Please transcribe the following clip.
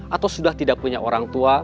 atau sudah tidak punya orang tua